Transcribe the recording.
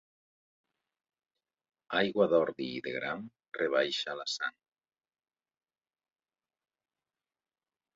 Aigua d'ordi i de gram rebaixa la sang.